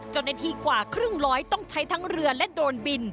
เจ้าหน้าที่กว่าครึ่งร้อยต้องใช้ทั้งเรือและโดรนบิน